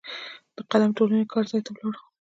د قلم ټولنې کار ځای ته ولاړو.